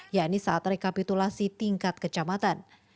yakni saat rekapitulasi tingkat kecamatan